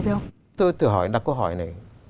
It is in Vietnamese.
tôi thử hỏi đặt câu hỏi này